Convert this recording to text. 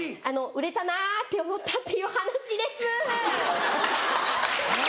売れたなって思ったっていう話です。